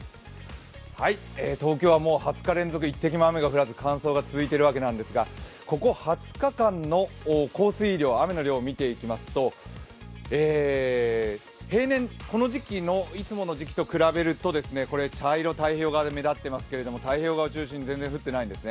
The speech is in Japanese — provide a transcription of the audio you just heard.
東京はもう２０日連続１滴も雨が降らず、乾燥が続いているわけなんですが、ここ２０日間の降水量、雨の量を見てみますと平年、この時期のいつもの時期と比べると、茶色、太平洋側で目立っていますけど、太平洋側を中心に全然降っていないんですね